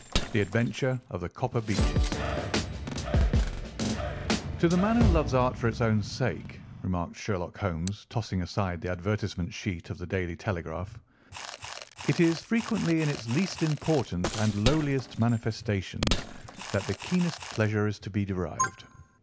THE ADVENTURE OF THE COPPER BEECHES "To the man who loves art for its own sake," remarked Sherlock Holmes, tossing aside the advertisement sheet of The Daily Telegraph, "it is frequently in its least important and lowliest manifestations that the keenest pleasure is to be derived.